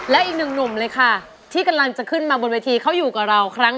ถ้าพร้อมแล้วขอเสียงกรี๊ดดังต้อนรับคุณวิ่ง